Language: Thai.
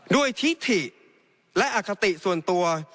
ด้วยทิถิและอคติส่วนตัว